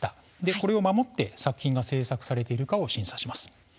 これを守って制作されているかが審査されます。